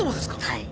はい。